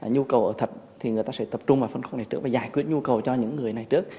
nhu cầu ở thật thì người ta sẽ tập trung vào phân khúc này trước và giải quyết nhu cầu cho những người này trước